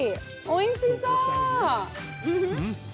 おいしそう！